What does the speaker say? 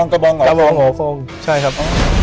กระบองห่วงใช่ครับ